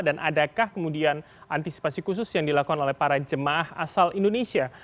dan adakah kemudian antisipasi khusus yang dilakukan oleh para jemaah asal indonesia